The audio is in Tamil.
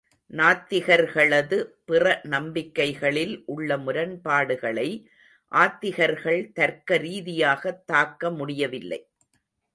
நாத்திகர்களது பிற நம்பிக்கைகளில் உள்ள முரண்பாடுகளை ஆத்திகர்கள் தர்க்க ரீதியாகத் தாக்க முடியவில்லை.